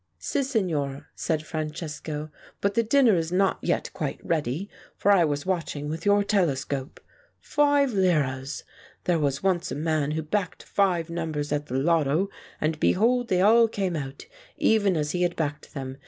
"Sissignor," said Francesco. "But the dinner is not yet quite ready, for I was watching with your telescope. Five liras !... There was once a man who backed five numbers at the Lotto, and behold they all came out even as he had backed them.